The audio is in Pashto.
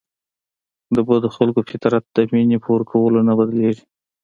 د بدو خلکو فطرت د مینې په ورکولو نه بدلیږي.